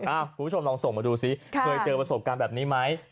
คุณผู้ชมลองส่งมาดูซิเคยเจอประสบการณ์แบบนี้ไหม